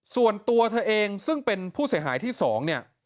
ส่วนตัวเธอเองซึ่งเป็นผู้เสียหายที่๒เนี่ย